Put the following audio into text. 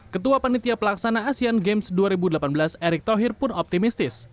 ketua panitia pelaksana asean games dua ribu delapan belas erick thohir pun optimistis